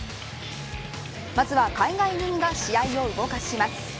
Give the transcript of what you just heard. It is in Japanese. まずは海外組が試合を動かします。